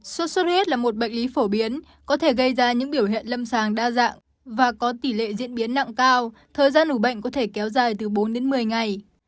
sốt xuất huyết là một bệnh lý phổ biến có thể gây ra những biểu hiện lâm sàng đa dạng và có tỷ lệ diễn biến nặng cao thời gian ủ bệnh có thể kéo dài từ bốn đến một mươi ngày